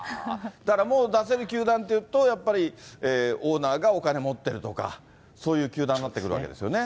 だからもう出せる球団というと、やっぱりオーナーがお金持ってるとか、そういう球団になってくるわけですよね。